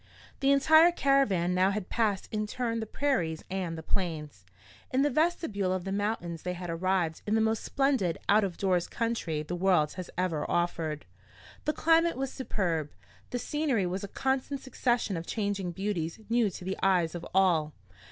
The entire caravan now had passed in turn the Prairies and the Plains. In the vestibule of the mountains they had arrived in the most splendid out of doors country the world has ever offered. The climate was superb, the scenery was a constant succession of changing beauties new to the eyes of all.